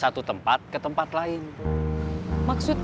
dulu pertama harusnya visiting